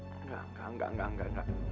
enggak enggak enggak enggak